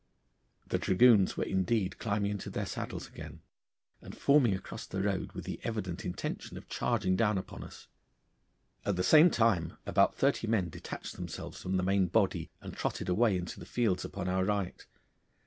The dragoons were indeed climbing into their saddles again, and forming across the road, with the evident intention of charging down upon us. At the same time about thirty men detached themselves from the main body and trotted away into the fields upon our right.